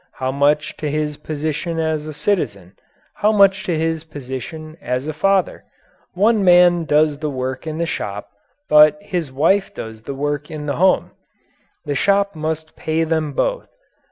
How much to his position as a citizen? How much to his position as a father? The man does the work in the shop, but his wife does the work in the home. The shop must pay them both.